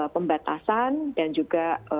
pembatasan dan juga